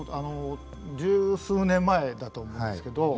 十数年前だと思うんですけど。